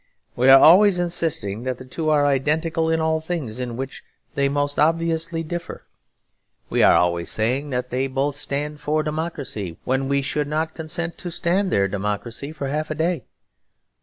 We are always insisting that the two are identical in all the things in which they most obviously differ. We are always saying that both stand for democracy, when we should not consent to stand their democracy for half a day.